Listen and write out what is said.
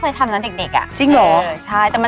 ก็ประมาณร้อยกว่าบาท